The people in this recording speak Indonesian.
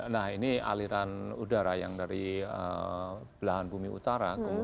nah ini aliran udara yang dari belahan bumi utara